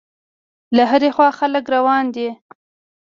له هرې خوا خلک را روان دي.